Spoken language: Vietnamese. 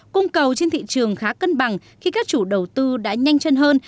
cung cầu trên thị trường khá cân bằng khi các chủ đầu tư đã nhanh chân hơn